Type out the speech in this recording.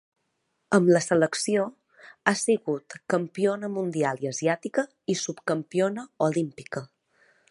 Amb la selecció ha sigut campiona mundial i asiàtica i subcampiona olímpica.